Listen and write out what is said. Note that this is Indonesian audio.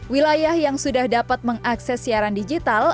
wilayah yang sudah dapat mengakses siaran digital